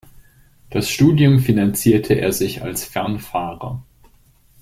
Das Studium finanzierte er sich als Fernfahrer.